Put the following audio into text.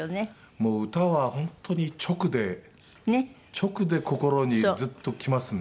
もう歌は本当に直で直で心にズンときますね。